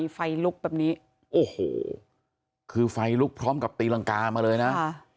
ไฟลุกแบบนี้โอ้โหคือไฟลุกพร้อมกับตีรังกามาเลยนะ